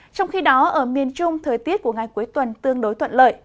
trong khi đó ở miền trung thời tiết của ngày cuối tuần tương đối thuận lợi